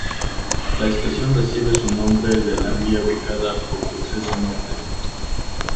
La estación recibe su nombre de la vía ubicada por su acceso norte.